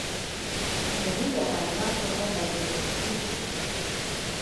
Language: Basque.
Mediterraneoan egon nahi dut, eta kito.